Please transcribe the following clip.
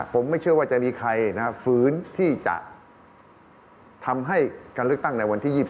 ผมไม่เชื่อว่าจะมีใครฝืนที่จะทำให้การเลือกตั้งในวันที่๒๒